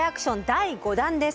第５弾です。